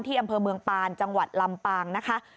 อำเภอเมืองปานจังหวัดลำปางนะคะ